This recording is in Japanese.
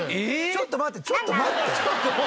「ちょっと待ってちょっと待って！」